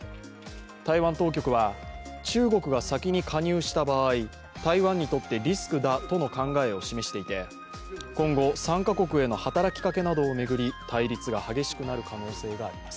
台湾当局は、中国が先に加入した場合台湾にとってリスクだとの考えを示していて今後、参加国への働きかけなどを巡り対立が激しくなる可能性があります。